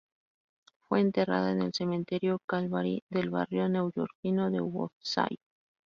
Fue enterrada en el Cementerio Calvary del barrio neoyorquino de Woodside.